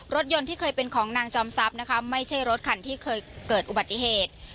รถยนต์ที่เคยเป็นของนางจอมทรัพย์นะคะไม่ใช่รถคันที่เคยเกิดอุบัติเหตุ